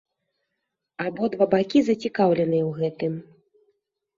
Абодва бакі зацікаўленыя ў гэтым.